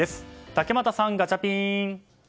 竹俣さん、ガチャピン！